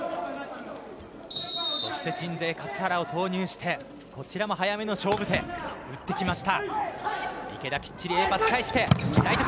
そして鎮西、勝原を投入してこちらも早めの勝負手打ってきました。